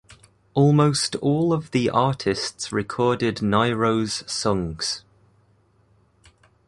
Almost all of the artists recorded Nyro's songs.